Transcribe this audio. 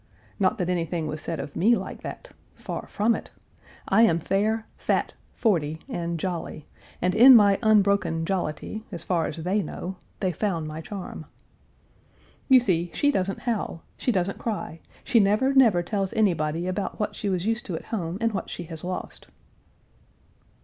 Not that anything was said of me like that far from it. I am fair, fat, forty, and jolly, and in my unbroken jollity, as far as they know, they found my charm. "You see, she doesn't howl; she doesn't cry; she never, never tells anybody about what she was used to at home and what she has lost."